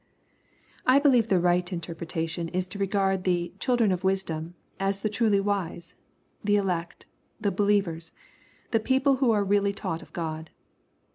I believe the right interpretation is to regard the "children of wisdom " as the truly wise, the elect, the believers, the people who are really taught of God.